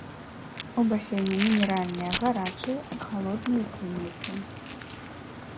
У басейне мінеральныя гарачыя і халодныя крыніцы.